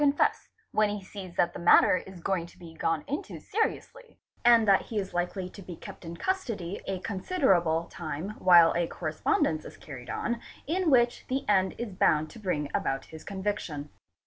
CHEATING AND FRAUD confess, when he sees that the matter is going to be gone into seriously, and that he is hkely to be kept in custody a considerable time while a correspondence is carried on, which in the end is bound to bring about his conviction.